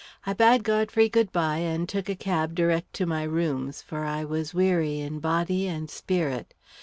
I bade Godfrey good bye, and took a cab direct to my rooms, for I was weary in body and spirit.